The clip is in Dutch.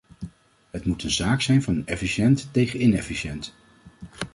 Het moet een zaak zijn van efficiënt tegen inefficiënt.